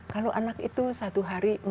kalau anak itu satu hari